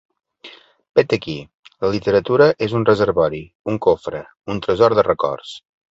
Vet aquí: la literatura és un reservori, un cofre, un tresor de records.